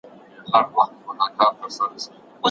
ایا مسلکي بڼوال کاغذي بادام صادروي؟